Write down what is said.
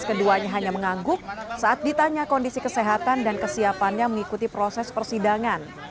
keduanya hanya mengangguk saat ditanya kondisi kesehatan dan kesiapannya mengikuti proses persidangan